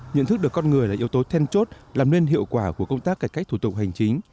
nhận thức được con người là yếu tố then chốt làm nên hiệu quả của công tác cải cách thủ tục hành chính